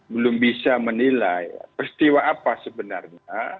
belum bisa menilai peristiwa apa sebenarnya